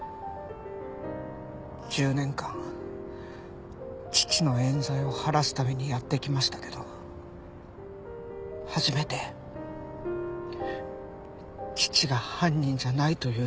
１０年間父の冤罪を晴らすためにやってきましたけど初めて父が犯人じゃないという証言を聞きました。